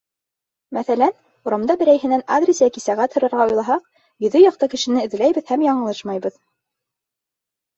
Мәҫәлән, урамда берәйһенән адрес йәки сәғәт һорарға уйлаһаҡ, йөҙө яҡты кешене эҙләйбеҙ һәм яңылышмайбыҙ.